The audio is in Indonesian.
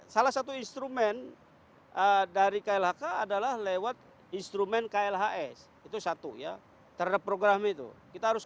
salah satu instrumen dari klhk adalah lewat instrumen klhs itu satu ya terhadap program itu kita harus